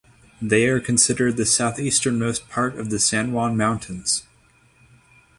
They are considered the southeasternmost part of the San Juan Mountains.